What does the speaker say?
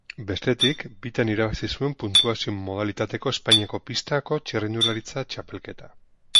Bestetik, bitan irabazi zuen puntuazio modalitateko Espainiako pistako txirrindularitza txapelketa.